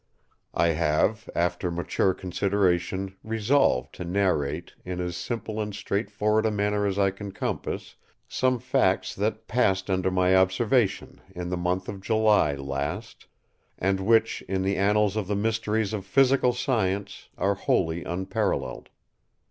I have, after mature consideration, resolved to narrate, in as simple and straightforward a manner as I can compass, some facts that passed under my observation, in the month of July last, and which, in the annals of the mysteries of physical science, are wholly unparalleled.